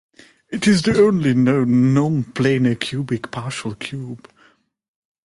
It is the only known nonplanar cubic partial cube.